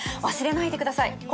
忘れないでください。